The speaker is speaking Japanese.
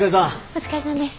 お疲れさんです。